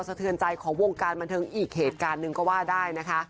เทือนใจของวงการบันเทิงอีกเหตุการณ์หนึ่งก็ว่าได้นะคะ